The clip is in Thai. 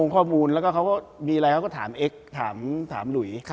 ข้อมูลแล้วก็เขาก็มีอะไรเขาก็ถามเอ็กซ์ถามหลุย